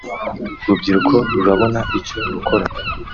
urubyiruko rurabona icyo rukora